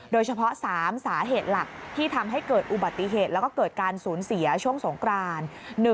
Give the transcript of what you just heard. โดยเฉพาะ๓สาเหตุหลักที่ทำให้เกิดอุบัติเหตุแล้วก็เกิดการสูญเสียช่วงสงกราน